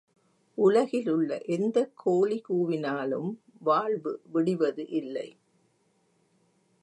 உலகிலுள்ள எந்தக் கோழி கூவினாலும் வாழ்வு விடிவது இல்லை.